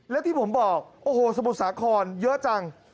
และที่ผมบอกโอ้โหสมุทรสาครเยอะจัง